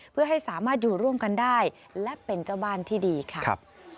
เพื่อให้สามารถอยู่ร่วมกันได้และเป็นเจ้าบ้านที่ดีค่ะ